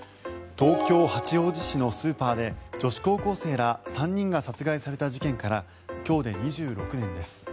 東京・八王子市のスーパーで女子高校生ら３人が殺害された事件から今日で２６年です。